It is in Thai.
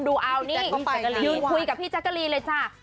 ดูเอานี่ยืนคุยกับพี่แจ๊กกะรีนเลยจ้ะ